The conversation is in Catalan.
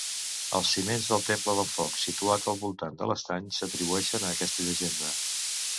Els ciments del temple del foc situat al voltant de l'estany s'atribueixen a aquesta llegenda.